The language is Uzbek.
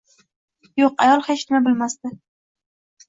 Yo`q, ayol hech nima bilmasdi